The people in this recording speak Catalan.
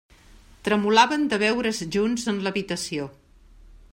Tremolaven de veure's junts en l'habitació.